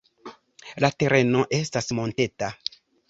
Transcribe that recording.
La tereno estas monteta.